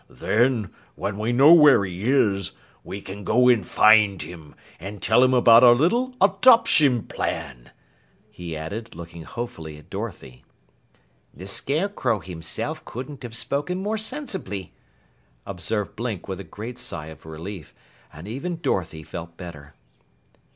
Then, when we know where he is, we can go and find him and tell him about our little adoption plan," he added, looking hopefully at Dorothy. "The Scarecrow himself couldn't have spoken more sensibly," observed Blink with a great sigh of relief, and even Dorothy felt better.